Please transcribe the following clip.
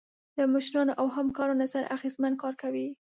له مشرانو او همکارانو سره اغیزمن کار کوئ.